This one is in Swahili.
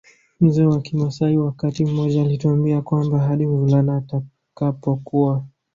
Mzee wa kimaasai wakati mmoja alituambia kwamba hadi mvulana atakapokuwa